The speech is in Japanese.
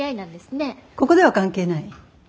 ここでは関係ない。